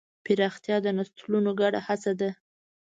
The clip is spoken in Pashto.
پراختیا د نسلونو ګډه هڅه ده.